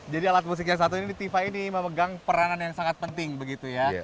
alat musik yang satu ini tifa ini memegang peranan yang sangat penting begitu ya